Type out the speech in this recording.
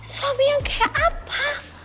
suami yang kayak apa